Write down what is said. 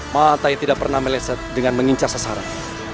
matai tidak pernah meleset dengan mengincar sasaran